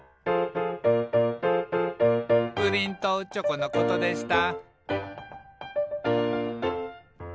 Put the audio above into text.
「プリンとチョコのことでした」